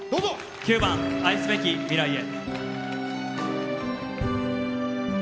９番「愛すべき未来へ」。